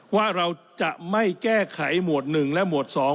ว่าเราจะไม่แก้ไขหมวดหนึ่งและหมวดสอง